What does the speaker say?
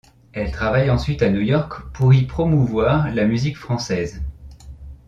Elle travaille ensuite à New York pour y promouvoir la musique française.